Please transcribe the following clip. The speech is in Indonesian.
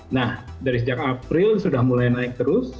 nah dari sejak april sudah mulai naik terus